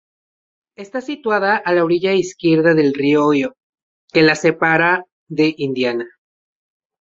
Está situada a la orilla izquierda del río Ohio que la separa de Indiana.